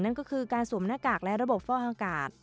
นั่นก็คือการสวมหน้ากากและระบบฟ่ออากาศ